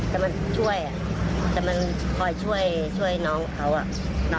แต่มันช่วยช่วยน้องเขา